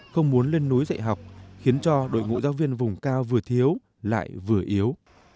không muốn lên núi dạy học khiến cho đội ngũ giáo viên vùng cao vừa thiếu lại vừa yếu